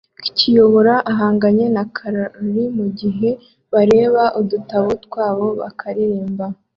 Kiyobora ahanganye na korari mugihe bareba udutabo twabo bakaririmba